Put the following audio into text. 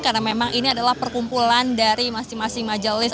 karena memang ini adalah perkumpulan dari masing masing majelis